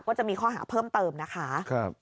ก็จะมีข้อหาเพิ่มเติมนะคะ